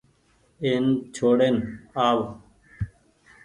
اين ڇوڙين آ و۔